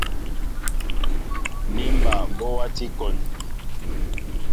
Bín ɓal ɓɔ wati kón.